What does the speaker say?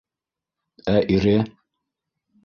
Ә ире?